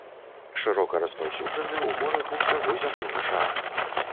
Шырока распаўсюджаны ў морах усяго зямнога шара.